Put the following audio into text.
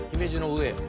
上？